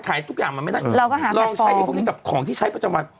ทุกอย่างมันไม่ได้ลองใช้พวกนี้กับของที่ใช้ประจำวัน